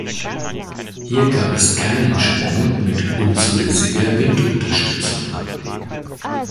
Hier gab es keinen Sprung mit unzulässiger Windunterstützung.